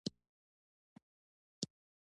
بادام د افغانستان د طبیعي زیرمو برخه ده.